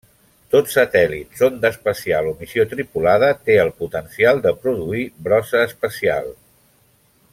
Tot satèl·lit, sonda espacial o missió tripulada té el potencial de produir brossa espacial.